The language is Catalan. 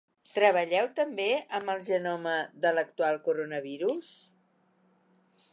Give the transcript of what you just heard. Treballeu també amb el genoma de l’actual coronavirus?